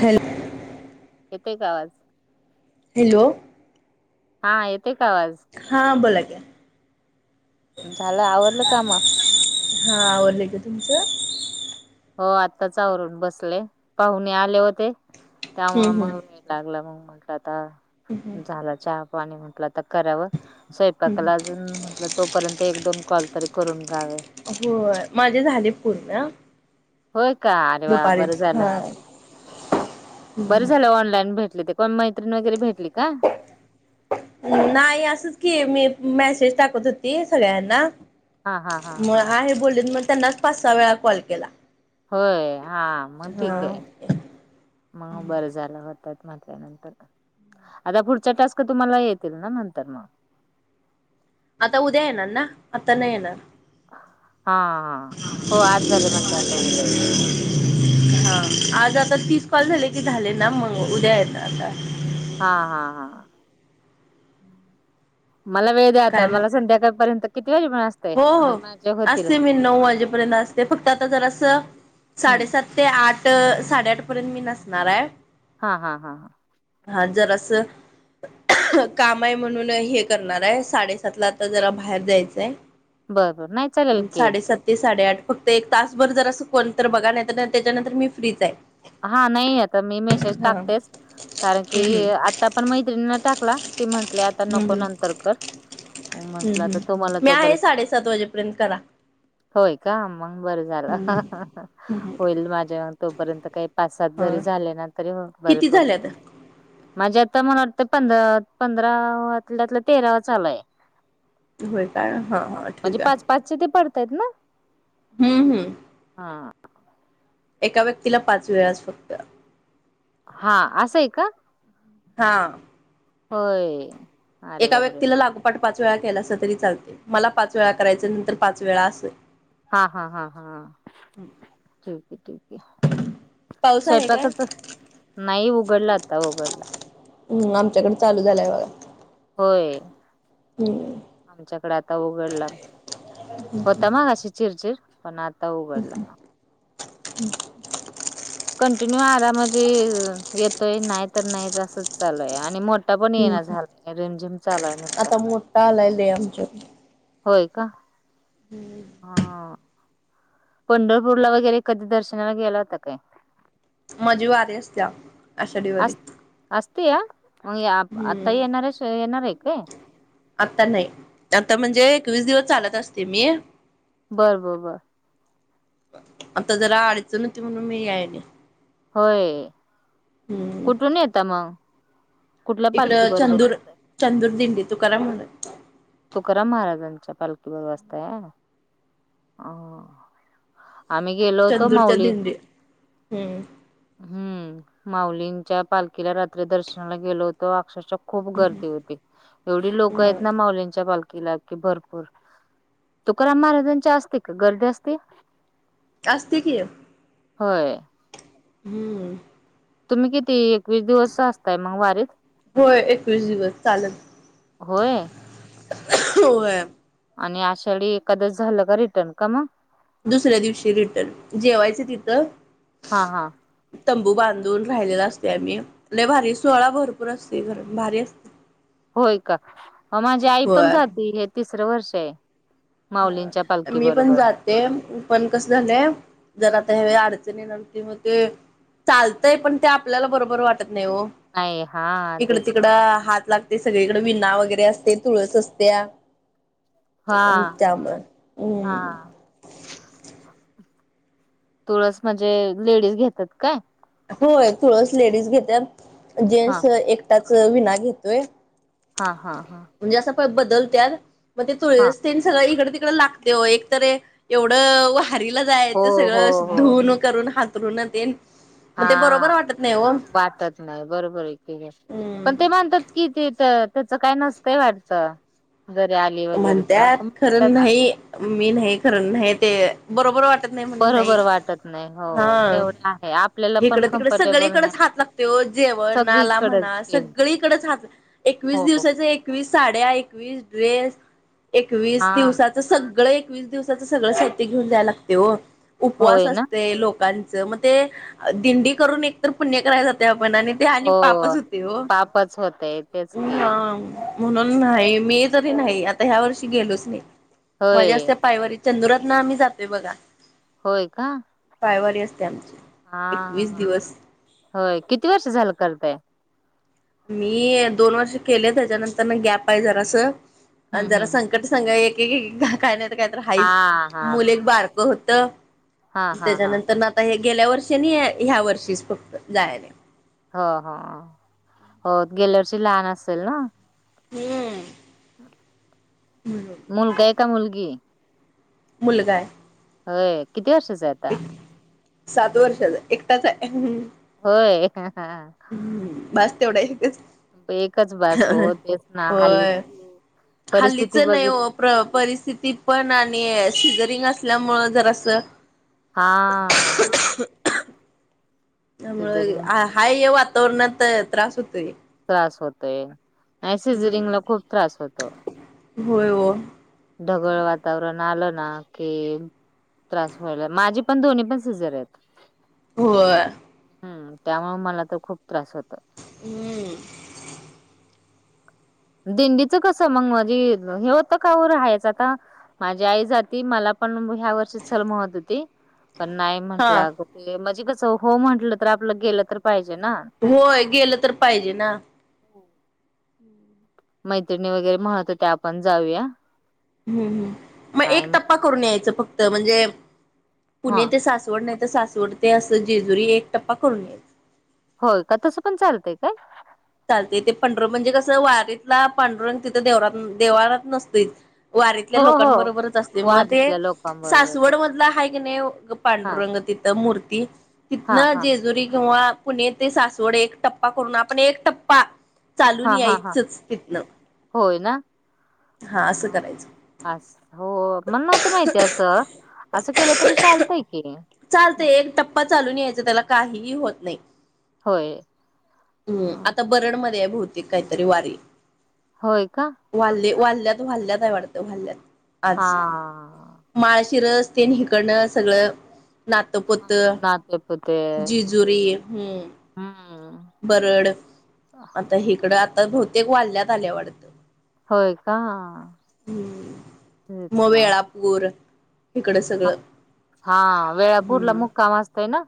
Hello [unintelligible] येतोय का आवाज हॅलो! हा येतोय का आवाज? हा बोला क झालं आवरलं काम? हा आवरल कि तुमचं हो आत्ताचवरून बसले पाहुणे आले होते त्यामुळे हम्म मग लागला मग म्हटलं आता हम्म झाला चा पाणी म्हटलं आता कराव स काला अजून म्हटलं तोपर्यंत एक दोन कॉल तरी करून घावे हो माझे झाले पूर्ण. होय का अरे वा बर दुपारीच झालं हा बर झालं ऑनलाईन भेट तेण मैत्रीिण वगैरे भेटली का. नाही असंच की मी मेसेज टाकत होती सगळ्यांना हा हा हा हा. ह आहे बोललेन मग त्यांनाच पाच सहा वेळा कॉल केला होय हा मग हा ठीक आहे मग बरं झालं होतात म्हटल्यानंतर आता पुढच्या टास्क तुम्हाला येतील ना नंतर मग आता उद्या येणार ना आता नाही येणार हा हा हो आज झाले म्हटल्यायंत उद्या येत हा आज आता तीस कॉल झाले की झाले ना मग उद्या आहेत ना आता. हा हा हा मला वेळ द आता काय मग मला संध्याकाळपर्यंत किती वाजे म्ह असत. हो हो असते मी नऊ वाजेपर्यंत असते फक्त आता जरा असं हम्म साडेसात ते आठ साडेआठ पर्यंत मी नसणार आहे हा हा हा हा हा जरा स काम आहे म्हणून हे करणार आहे साडेसात ला आता जरा बाहेर जायचंय बरोबर नाही चालेल की साडेसात ते साडेआठ फक्त एक तासभर जर असं कोण तर बघा नाही तर नाही त्याच्यानंतर मी फ्रीच आहे. हा नाही आता मी मेसेज हा टाकतेच कारण की हम् आज हम् आता पण मैत्रिणी टाकला ते म्हंटले आता नको हम् नंतर कर म्हंटलं हम् तर हम् तुम्हाला मी त बरे आहे साडेसात वाजेपर्यंत करा होय का, मग बरं झालं हम्म हम्म होईल माझ्या मग तोपर्यंत काही पाच सात हा जरी झाले ना तरी बरे किती झाले पडते आता माझे आता मला वाटतं पंधरा पंधरातल्यातलं तेरावा चालू आहे. [inaudible] होय काय हा हा ठीक आहे. पाच्च ते पडतायत ना हम् हम्म हा एका व्यक्तीला पाच वेळच फक्त हा असंय का हा होय अरे एका बापरे व्यक्तीला लागोपाठ पाच वेळा केला अस तरी चालते मला पाच वेळा करायच नंतर पाच वेळा असेलझ. हा हा हा हा ठेवते ठेवते पाऊस आहे काय. नाही उघडला आता उघडला हम आमच्याकडे चालू झालाय बघा. होय. हम्म. आमच्याकडे आता उघडला, होता मगाशी चिरचिर पण आता उघडला. हम्म. कंटिन्यू आरामची येतोय नाही तर नाही असच चालूय आणि मो ठा पण येनं हम्म झालाते रेमझेम चालू आहे नुसता. टालायले आमच्या होय का? हा. पंढरपूरला वगैरे कधी दर्शनाला गेला होता काय? माजी वारी असत्या आषाढी वारी अस असते या मग या आता हम्म येणारस आहे येणार आहे काय? आता नाही आता म्हणजे एकवीस दिवस चालत असते मी. बरं बो बा. आता जरा अडचं नव्हती म्हणून मी यायले. होय हम्म कुठून येतं मग कुठल्या पालखी इकडं बरोबर? चंदूर असताय? चंदूर दिंडी तुकाराम महाराज तुकाराम महाराजांच्या पालखीवर वचताय. आं आम्ही गेलो होतो चंदूरच्या माऊली दिंडी हम्म हम्म माउलींच्या पालखीला रात्री दर्शनाला गेलो होतो अक्षरशा खूप गर्दी होती. एवढी लोकं आहेत होय. ना माऊलींच्या पालखीला की भरपूर तु राम महाराजां चा असते का गर्दी असते असते की होय हम्म. तुम्ही किती एकवीस दिवस असताय मग वारीत होय एकवीस दिवस होय. वय आणि आषाडी एकादश झालं का रिटर्न का म? दुसऱ्या दिवशी रिटर्न जेवायच तिथं हा हा तंबू बांधून राहिलेला असते आम्ही लय भारी सोहळा भरपूर असते घर भारी अस होय का माझी आई पण होय जाते हे तिसरं वर्ष आहे. माउलींच्या पालखी बरोबर. ते उपण कसला लय जर आता ह्यावे अडचणीन की मग ते चालतंय पण ते आपल्याला बरोबर वाटत नाही हो नाही हा इकडं तेच की. तिकडं हात लाग ते सगळीकडे विना वगैरे असते तुळस असतेया. हा. त्याम हम्म. हा तुळस म्हणजे लेडीज घेतात काय? होय तुळस लेडीज घेत्यात हा जेंन्टस एकटाच विना घेतोय. हा हा हा. म्हणजे असं पद बदलत्यात म ते हा तूळीस तेन सगळं इकडं तिकडं लाग ते यो एकतरी एवढं वारीला हो जायचं हो सगळंच हो धुऊन करून हातरून तेन मग हा ते बरोबर वाटत नाही हो. वाटत नाही बरोबर आहे की गं. पण ते माणतात कि ते तर त्याच काय नसतंय वाटतं. जरी आली, वगैरे तर म्हणत्यात खरं असंम्हणतात. नाही मी नाही, खरं नाही ते, बरोबर वाटत नाही म्हणून नाही, हा. हे आप इकडं, तिकडे सगळीकडेच, हात लागतंय ओ, जेवणनाला सगळीकडच म्हणा की सगळीकडेच हात एकवीस, हो दिवसाच्या एकवीस साड्या, एकवीस ड्रेस, एकवीस हा दिवसा सगळ, एकवीस दिवसाच सगळं साहित्य, घेऊनजायला लागते हो, उपवास होय ना असते. लोक लोकांचं, मग ते दिंडी करून एकतर, पुण्य कराया जातोय आपण आणि ते आणि, हो पापच होते ओ, पापच होतय तेच की हम म्हणून नाही, मी तरी नाही आता ह्या वर्षी गेलोच नाही, होय माझ्या असत पायवर चंदुरातनं आम्ही जातोय बघा. होय का, पायवारी असते, आमची. एकवीस हा, दिवस होय, किती वर्ष झालं करतंय. मी, दोन वर्ष केले, त्याच्यानंतर ना गॅप आहे जरास, हम्म आणि जरास हम्म जर संघ, एकेक एक कायतर ते तर हा हायच, हा मुलं एक बारक होत, हा हा हा त्याच्यानंतर आता हे, गेल्या वर्षी आणि, ह्या वर्षीच फक्त जायले. हो, हो, हो गेल्या वर्षी लहान असेल ना. हम्म, हम्म, मुलगा, आहे का, मुलगी? मुलगा आहे. होय, किती वर्षाचा आहे? आता एक, सात वर्षाचा एकटाचा आहे. होय. बस तेवढा इथेच, एकच भास हो, तेचना, हल्लीची परिस्थिती हल्लीचं नाही बघितलं हो, परिस्थिती पण, आणि सिजरिंग असल्यामुळं, जरास हा, त्यामुळ सिजरिंग हा, म्हटल्यानंतर ह्या वातावरणात त्रास होतोय. त्रास होतोय, नाही सिजरिंगला खूप त्रास होतो. होय ओ, ढगळ वातावरण, आलं ना की त्रास व्हायला, माझी पण दोन्ही, पण सिजर आहेत. होय. हम्म, त्यामुळ मला तर, खूप त्रास होतोय. हम्म, दिंडीचं कस मग म्हणजे, हे होतं का, हो राहायचं आता, माझी आई जाती, मला पण ह्या वर्षी चल म्हणतहोती. पण नाही हा म्हटला, अग म्हणजे कसं, हो म्हटलं तर आपलं गेलं तर पाहिजे ना. होय, गेलं तर पाहिजे ना. मैत्रिणी वगैरे म्हणत, होत्या आपण जाऊया. हम्म, मग नाही एक टप्पा म्हटलं करून यायचं, फक्त म्हणजे हा पुणे ते सासवड, नाही ते सासवड ते असं जेजुरी, एक टप्पा करून येयच. होय का, तसं पण चालतंय काय? चालतय ते पंढरं म्हणजे कसं वारीतला पांडुरंग तिथं देवरात देव्हारात नसतयत वारीतल्या हो हो लोकां बरोबरच असते म ते वारीतल्या लोकांबरोबरच सासवड असतं. मधला हाय की नाय, हां, पांडुरंग तिथं मूर्ती हां, तिथनं हां, जेजुरी किंवा पुणे ते सासवड एक टप्पा करून आपण एक टप्पा चालून हां, हां, हां. यायचंच तिथनं होय ना? हा असं करायचं अस हो मला नव्हतं माहिती असं असं केलं तरी चालतंय की चालतय एक टप्पा चालून यायच त्याला काहीही होत नाही. होय. हम्म हां. आता बरडमध्ये आहे बहुतेक काहीतरी वारी होय का? वाल्ले वाल्ल्यात वाल्ल्यात आहे वाडतं वाल्यात आज हां. माळशी रस्ते नं हिकडनं सगळं नात त हां. कोत नातेपुते. जेजुरी हम्म हम्म बरड, आता हिकडं आता बहुतेक वाल्यात आल्या वाडतं. होय का, तेच ना गोर हा वेळापूरला हम्म मुक्काम असतय न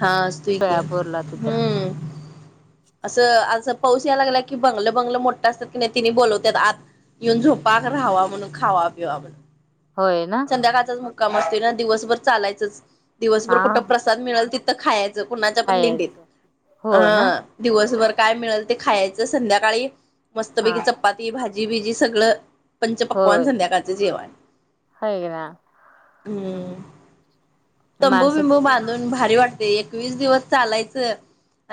हा असतोय की, तिथं. हम्म हं. असं असं पाऊस यायला लागेला की बंगलं बंगलं मोठं असतात की नाय तिनी बोलवतात आत. येऊन झोपा का राहवा म्हणून खावा पिवा म्हणून होय ना? संध्याकाळच मुक्काम असतोय ना दिवसभर चालायचंच दिवसभर कुठं हां, प्रसाद मिळल तिथं खायांचं, कुणाच्या पण दिंडीत खायचं. हो ना? हं दिवसभर काय मिळेल ते खायांचं संध्याकाळी मस्त पैकी हां. चपाती भाजी-बिजी सगळं पंचपकवान होय. संध्याकाळचं जेवण आहे ना. हम्म तंबू माणसं बिंबू किती बांधून भारी वाटते एकवीस दिवस चालायचं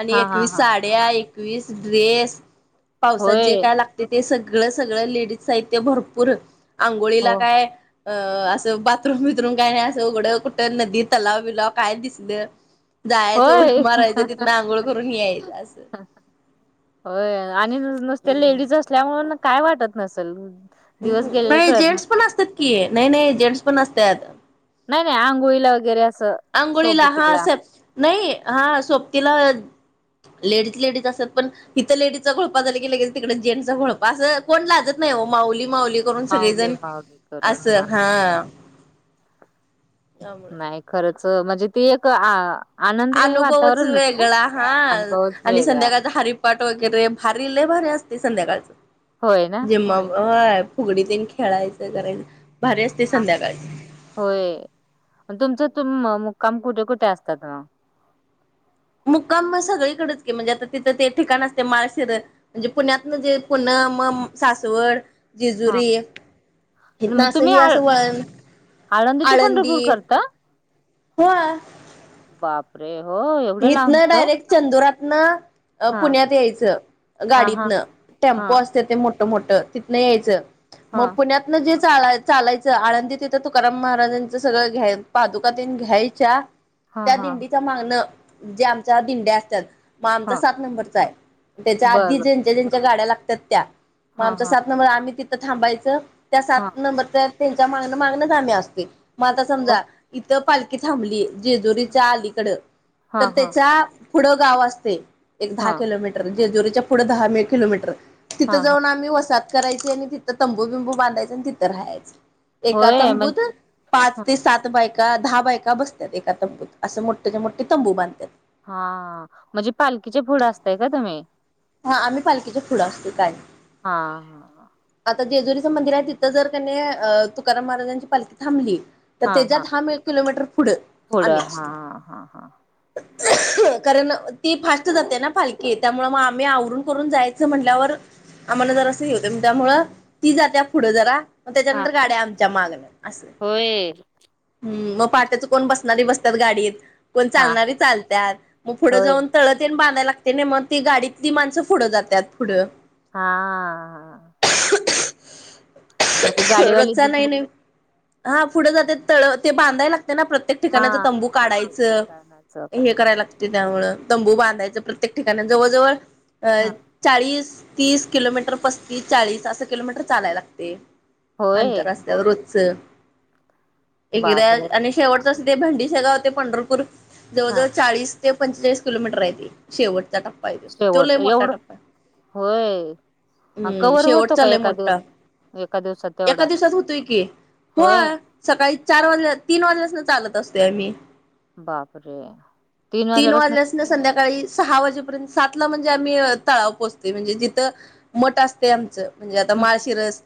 आणि हां, हां, एकवीस हां. साठ या एकवीस ड्रेस पावसात जे होय. काय लाग तेते सगळं सगळं लेडीज साहित्य भरपूर हो आंघोळीला काय अ असं बाथरूम बिथरूम काय नाय असं उघडं कुठं नदी तलाव बिलाव काय दिसलं जायाचं, उड्या होय. मारायचं, तिथनं आंघोळ करून यायचं असं. होय आणि नुसते लेडीज असल्यामुळ नं काय वाटत नसल. दिवस गेलेले नाही कळत नाय जेंट्स पण तिथं. असतात की नाय नाय जेंट्स पण असत्यात. नाय नाय आंघोळीला वगैरे असं आंघोळीला हा सोबतीला अस नाही हा सोबतीला लेडीज लेडीज असतात पण हित लेडीजचा घोळपा झाला की लगेचं तिकड जेंटचा घोळपा असं कोण लाजत नाय ओ माऊली माउली करून माऊली सगळेजण, माऊली करून असं हा त्यामुळ नाय खरच म्हणजे ती एक आ आनंदमय अनुभवच वातावरणच आहे. वेगळा हा अनुभवच आणि वेगळा संध्याकाळ तर हरि पाट वगैरे, भारी लई भारी असतय होय ना संध्याकाळचं झिम्मा व्हय फुगडी तेन खेळायचं कारयचं भारी असतय हा संध्याकाळ होय म तुमचं तुम मुक्काम कुठे कुठे असतात मग मुक्काम सगळीकडेच की म्हणजे आता तिथं ते ठिकाण असते, माळशीर म्हणजे पुण्यात जे पुण म सासवड हा जेजुरी इथनं मग असं तुम्ही ही आ असं वळण आळंदी ते पंढरपूर आळंदी करता हो. बापरे हो, एवढं लांबत. चंदुरातन पुण्यात यायचं हा हा. गाडीतन टेम्पो हां, असत ते-ते मोठ-मोठ तिथंन यायचं मग हां, पुण्यात तिथन जे चालाय चालायचं आळंदी तीथं तुकाराम महाराजांचं सगळं घ्या पादुका तेन घ्यायच्या हां, त्या हां, दिंडीच मागणं ज्या आमच्या दिंड्या असतात. मग आमचा हां. सात नंबरचा आहे त्याच्या आधी बरं, बरं. ज्यांच्या ज्यांच्या गाड्या लागतात त्या. मग हां, आमचा हां, सात हां, नंबर आम्ही तिथं थांबायचं त्या हां. सात नंबरच्या त्यांच्या मागण मागणंच आम्ही असतोय मग आता हो. समजा इथं पालखी थांबली. हं. जेजुरीच्या अलीकड तर हां, हां, त्याच्या पुढं गाव असते एक दहा हां, किलोमीटर जेजुरीच्या पुढे दहा मे किलोमीटर तिथं हां, हां. जाऊन आम्ही वसा करायची आणि तिथं तंबू बिंबू बांधायचे आणि तिथं राहायच एका होय तंबूत म्हणजे पाच हं, ते सात बायका दहा बायका बसतात एका तंबूत असं मोठ्याच्या मोठे तंबू बांधतात. हा म्हणजे पालखीचे पुढ असताय का तुम्ही? हा आम्ही पालखीचे पुढ असतोय काय हां, हां, आता जेजुरीचं मंदिर आहे तिथं जर कणी अ तुकाराम महाराजांची पालखी थांबली. तर हां, तेच्या हां. दहा किलोमीटर पुढे आम्ही पुढं. असतो. हां, हां, हां, कारण ती फास्ट जाते ना पालकी त्यामुळे मग मी आवरून करून जायचं म्हटल्यावर आम्हाला जर असं घेवतं त्यामुळं ती जात्या पुढं जरा मग हां. त्याच्यानंतर गाड्या आमच्या मागन अस. होय. हम् मग पहाटच कोण बसणारी बसतात गाडीत कोण हां, चालणारी चालतात मग पुढं होय. जाऊन तळ तेन बांधाय लागते नाही मग ती गाडीतली माणसं पुढं जातात पुढं हा. मग ती गाडीवाली रोजचा जी नाही प नाही हा पुढे जाते तळ ते बांधायला लागते ना प्रत्येक हां, ठिकाणाच तंबू हां प्रत्येक काढायचं ठिकाणाचं का हे करायला लागत ते त्यामुळे तंबू बांधायचं प्रत्येक ठिकाण जवळजवळ अं हां. चाळीस तीस किलोमीटर पस्तीस चाळीस असं किलोमीटर चालायला लागते. होय? आंतर असतय रोजचं. डिग्रज बापरे! आणि शेवटच ते भंडीश गाव होते पंढरपूर हां. जवळजवळ चाळीस ते पंचेचाळीस किलोमीटर आहे शेवटचा टप्पा आहे तो. तो लय शेवटचं मोठा एवढं टप्पा आहे. होय. अ, हम्म कव्हर होतो शेवटचा का लई एका दिव मोठठा एका दिवसात एका तेवढा? दिवसात होतोय की होय. सकाळी चार वाजल्या तीन वाजल्यास चालत असते आम्ही. बापरे तीन वाजल्यापासन संध्याकाळी सहा वाजेपर्यंत सात तला म्हणजे आम्ही तळाव पोहचतोय म्हणजे जिथं मट असते आमचं. म्हणजे आता हं, हं. माळशीरस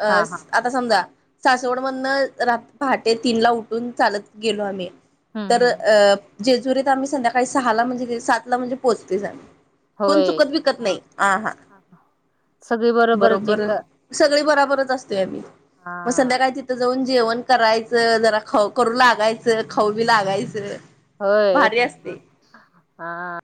आ हां, हां, हां. आता समजा सासवड मधन पहाटे तीन ला उठून चालत गेलो आम्ही. हं, तर हं. अं जेजुरीत आम्ही संध्याकाळी सहा ला म्हणजे सात ला म्हणजे पोहचतेच कोण होय. चुकत विकत नाही हा हा सगळी बरोबरच बरोबर. एक सगळी बराबरच असतोय आम्ही मग हां. संध्याकाळी तिथं जाऊन जेवण करायचं जरा खाऊ करू लागायचं खाऊ बी लागायचं. होय भारी असते हा